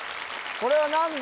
これは何で？